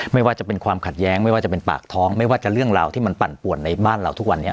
ไม่ว่าจะเป็นความขัดแย้งไม่ว่าจะเป็นปากท้องไม่ว่าจะเรื่องราวที่มันปั่นป่วนในบ้านเราทุกวันนี้